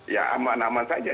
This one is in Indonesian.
ya aman aman saja